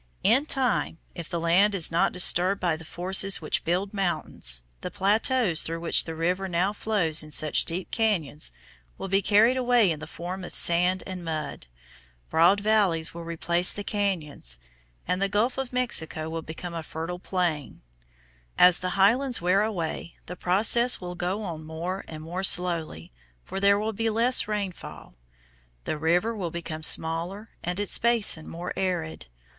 In time, if the land is not disturbed by the forces which build mountains, the plateaus through which the river now flows in such deep cañons will be carried away in the form of sand and mud. Broad valleys will replace the cañons, and the Gulf of California will become a fertile plain. As the highlands wear away the process will go on more and more slowly, for there will be less rainfall. The river will become smaller and its basin more arid.